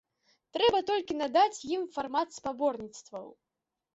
Трэба толькі надаць ім фармат спаборніцтваў.